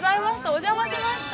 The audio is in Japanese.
お邪魔しました。